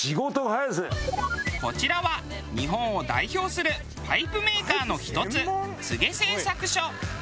こちらは日本を代表するパイプメーカーのひとつ柘製作所。